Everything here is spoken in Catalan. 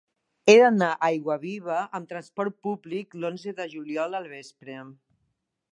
He d'anar a Aiguaviva amb trasport públic l'onze de juliol al vespre.